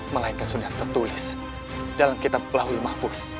melainkan sudah tertulis dalam kitab pelahwi mafus